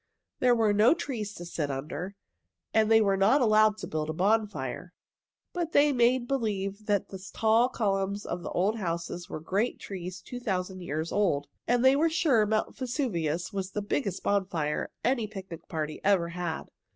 There were no trees to sit under, and they were not allowed to build a bonfire. But they made believe that the tall columns of the old houses were great trees two thousand years old, and they were sure Mount Vesuvius was the biggest bonfire any picnic party ever had.